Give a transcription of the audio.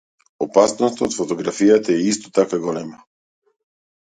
Опасноста од фотографијата е исто така голема.